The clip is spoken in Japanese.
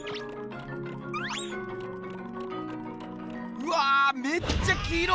うわめっちゃ黄色！